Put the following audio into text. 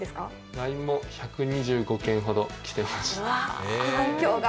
ＬＩＮＥも１２５件ほど来てました。